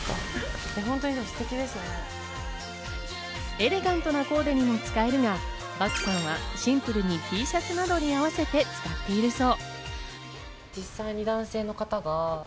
エレガントなコーデにも使えるが、漠さんはシンプルにＴシャツなどに合わせて使っているそう。